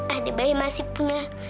adek bayi masih punya